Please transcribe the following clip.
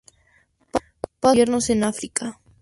Pasa los inviernos en África.